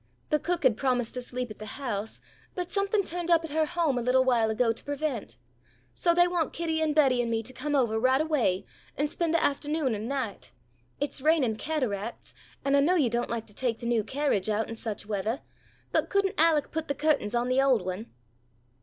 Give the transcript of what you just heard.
The cook had promised to sleep at the house, but something turned up at her home a little while ago to prevent. So they want Kitty and Betty and me to come ovah right away and spend the aftahnoon and night. It's raining cataracts and I know you don't like to take the new carriage out in such weathah, but couldn't Alec put the curtains on the old one?"